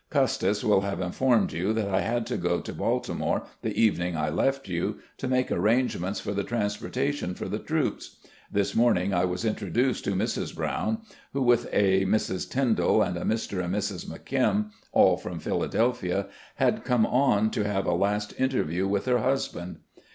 " Custis will have informed you that I had to go to Baltimore the evening I left you, to make arrangements for the transportation for the troops. ... This SERVICES IN THE ARMY 23 morning I was introduced to Mrs. Brown, who, with a Mrs. Tyndall and a Mr. and Mrs. McKim, all from Phila delphia, had come on to have a last interview with her husband.